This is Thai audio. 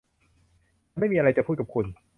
ฉันไม่มีอะไรจะพูดกับคุณ